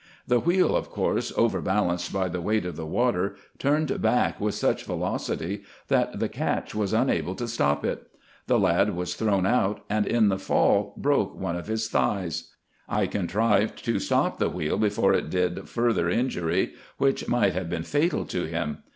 The wheel, of course, overbalanced by the weight of the water, turned back with such velocity, that the catch was unable to stop it. The lad was thrown out, and in the fall broke one of his tliighs. I contrived to stop the wheel before it did farther injury, which might have been fatal to him.